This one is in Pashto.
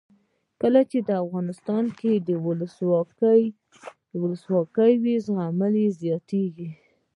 کله چې افغانستان کې ولسواکي وي زغم زیاتیږي.